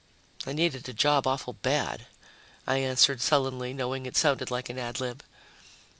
"I needed a job awful bad," I answered sullenly, knowing it sounded like an ad lib.